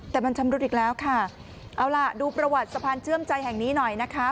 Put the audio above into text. แต่มันชำรุดอีกแล้วค่ะเอาล่ะดูประวัติสะพานเชื่อมใจแห่งนี้หน่อยนะคะ